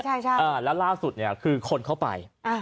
ใช่แล้วล่าสุดเนี่ยคือคนเข้าไป